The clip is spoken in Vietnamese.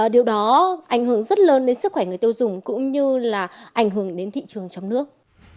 điều đó ảnh hưởng rất lớn đến sức khỏe người tiêu dùng cũng như là ảnh hưởng đến thị trường trong nước